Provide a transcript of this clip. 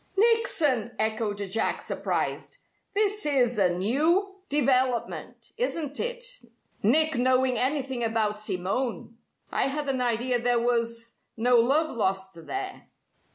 "Nickson!" echoed Jack, surprised. "This is a new development, isn't it, Nick knowing anything about Simone? I had an idea there was no love lost there."